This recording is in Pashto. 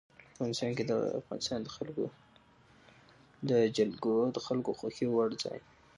افغانستان کې د افغانستان جلکو د خلکو د خوښې وړ ځای دی.